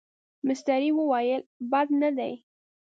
مستري وویل بد نه دي.